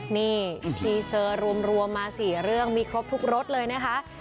นี่ทีเซอร์รวมมา๔เรื่องมีครบทุกรถเลยนะคะ